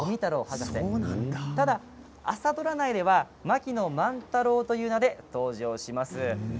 ただ朝ドラ内では、槙野万太郎という名前で登場します。